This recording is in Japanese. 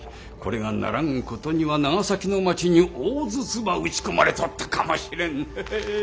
これがならんことには長崎の町に大筒ば撃ち込まれとったかもしれん。